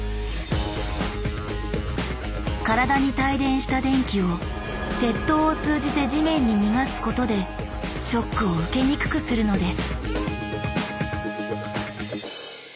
体に帯電した電気を鉄塔を通じて地面に逃がすことでショックを受けにくくするのです。